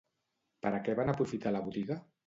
Per a què van aprofitar la botiga?